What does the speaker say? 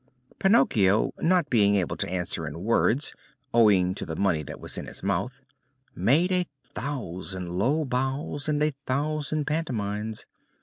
Pinocchio, not being able to answer in words, owing to the money that was in his mouth, made a thousand low bows and a thousand pantomimes.